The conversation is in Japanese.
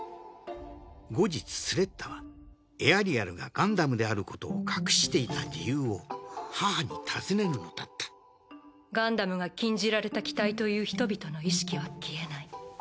後日スレッタはエアリアルがガンダムであることを隠していた理由を母に尋ねるのだったガンダムが禁じられた機体という人々の意識は消えない。